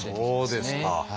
そうですか。